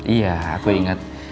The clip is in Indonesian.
iya aku ingat